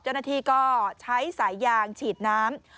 เจ้าหน้าที่ก็ใช้สายยางฉีดน้ำ